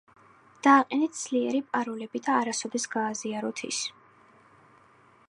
დააყენეთ ძლიერი პაროლები და არასოდეს გააზიაროთ ის.